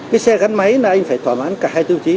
cái xe gắn máy là anh phải thỏa mãn cả hai tiêu chí